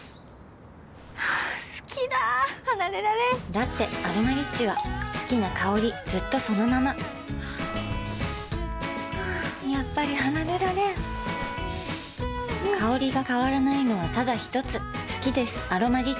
好きだ離れられんだって「アロマリッチ」は好きな香りずっとそのままやっぱり離れられん香りが変わらないのはただひとつ好きです「アロマリッチ」